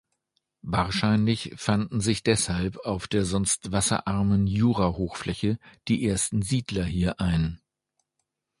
Wahrscheinlich fanden sich deshalb auf der sonst wasserarmen Jurahochfläche die ersten Siedler hier ein.